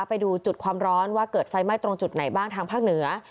ไปดูจุดความร้อนว่าเกิดไฟไหม้ตรงจุดไหนบ้างทางภาคเหนือ